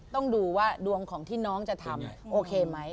ต้องดูว่าดวงของที่น้องจะทำโอเคไหม